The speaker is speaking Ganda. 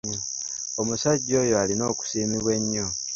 Omusajja oyo alina okusiimibwa ennyo.